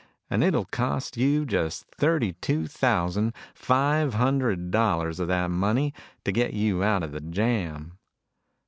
And it'll cost you just thirty two thousand five hundred dollars of that money to get you out of the jam."